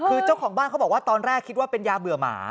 คือเจ้าของบ้านเขาบอกว่าตอนแรกคิดว่าเป็นยาเบื่อหมา